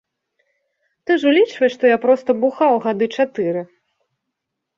Ты ж улічвай, што я проста бухаў гады чатыры.